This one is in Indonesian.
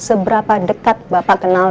seberapa dekat bapak kenal